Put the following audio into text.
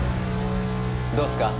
どうっすか？